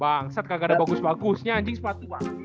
bangsat kagak ada bagus bagusnya anjing sepatu